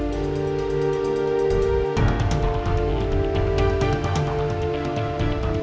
jangan jangan kerjaan papa yang sekarang lebih enak